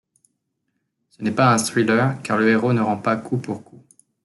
Ce n'est pas un thriller, car le héros ne rend pas coup pour coup.